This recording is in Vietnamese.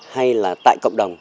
hay là tại cộng đồng